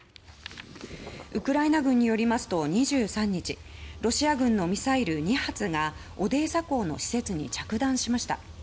ウクライナ軍によりますと２３日、ロシア軍のミサイル２発がオデーサ港の施設に着弾しました。